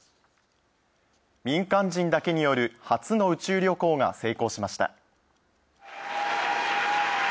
民間人だけによる初の宇宙旅行が成功しました。